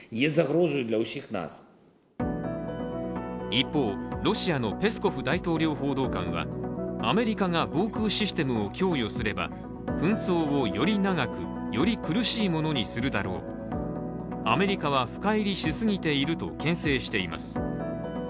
一方、ロシアのペスコフ大統領報道官は、アメリカが防空システムを供与すれば紛争をより長く、より苦しいものにするだろうアメリカは深入りしすぎているとけん制しています。